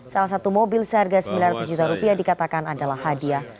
salah satu mobil seharga sembilan ratus juta rupiah dikatakan adalah hadiah